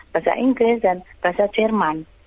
bahasa inggris dan bahasa jerman